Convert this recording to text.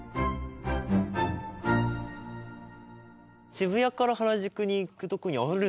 渋谷から原宿に行くとこにあるんですね。